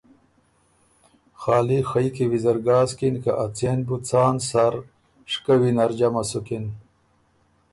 خالی خئ کی ویزر ګاسکِن که ا څېن بُو څان سر شکوّی نر جمع سُکِن